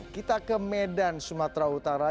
kita ke medan sumatera utara